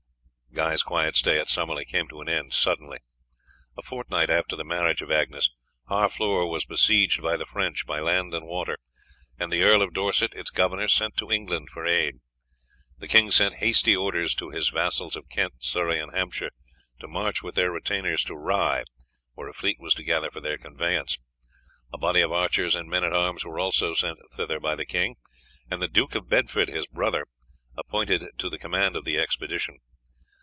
Guy's quiet stay at Summerley came to an end suddenly. A fortnight after the marriage of Agnes, Harfleur was besieged by the French by land and water, and the Earl of Dorset, its governor, sent to England for aid. The king sent hasty orders to his vassals of Kent, Surrey, and Hampshire, to march with their retainers to Rye, where a fleet was to gather for their conveyance. A body of archers and men at arms were also sent thither by the king, and the Duke of Bedford, his brother, appointed to the command of the expedition.